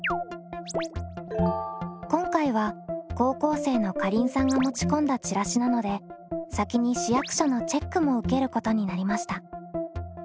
今回は高校生のかりんさんが持ち込んだチラシなので先に市役所のチェックも受けることになりました。